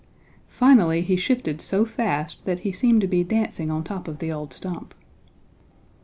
Finally he shifted so fast that he seemed to be dancing on top of the old stump.